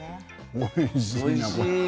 おいしい。